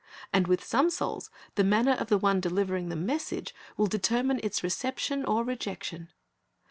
And with some souls the manner of the one delivering the message will determine its reception or rejection.